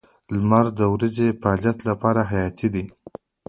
• لمر د ورځې د فعالیت لپاره حیاتي دی.